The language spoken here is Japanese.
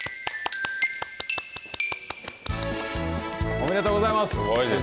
おめでとうございます。